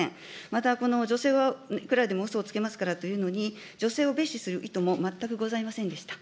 またこの、女性はいくらでもうそをつけますからというのに、女性を蔑視する意図も全くございませんでした。